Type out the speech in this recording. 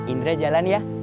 indra jalan ya